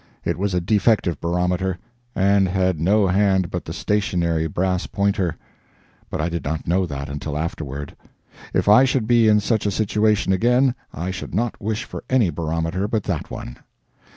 It was a defective barometer, and had no hand but the stationary brass pointer, but I did not know that until afterward. If I should be in such a situation again, I should not wish for any barometer but that one.